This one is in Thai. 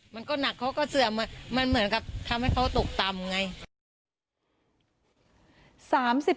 มันก็หนักเขาก็เสื่อมมันเหมือนกับทำให้เขาตกต่ำไง